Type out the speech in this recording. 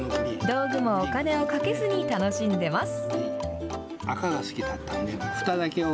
道具もお金をかけずに楽しんでます。